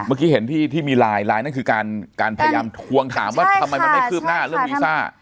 เมื่อกี้เห็นที่มีไลน์ไลน์นั่นคือการพยายามทวงถามว่าทำไมมันไม่คืบหน้าเรื่องวีซ่า